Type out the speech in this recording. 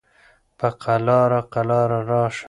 په قلاره قلاره راشه